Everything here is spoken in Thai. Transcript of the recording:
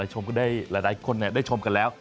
หลายคนได้ชมกันแล้ว